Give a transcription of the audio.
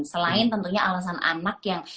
selain tentunya alasan anak yang